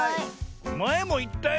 まえもいったよ。